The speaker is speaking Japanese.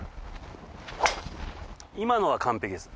今のは完璧です。